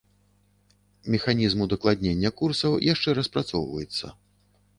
Механізм удакладнення курсаў яшчэ распрацоўваецца.